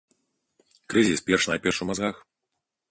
Крызіс перш-наперш у мазгах.